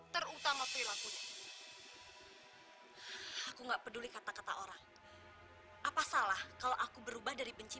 terutama perilakunya aku enggak peduli kata kata orang apa salah kalau aku berubah dari benci